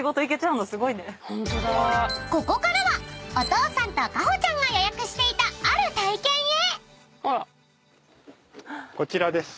［ここからはお父さんとかほちゃんが予約していたある体験へ］